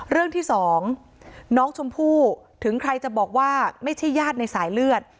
เรื่องที่สองน้องชมพู่ถึงใครจะบอกว่าไม่ใช่ญาติในสายเลือด